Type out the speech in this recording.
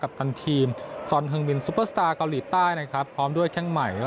พรีดใต้นะครับพร้อมด้วยแข่งใหม่